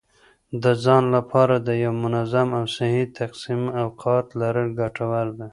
د ځان لپاره د یو منظم او صحي تقسیم اوقات لرل ګټور دي.